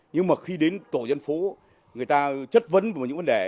nhưng mà khi đến tổ dân phố người ta chất vấn về những vấn đề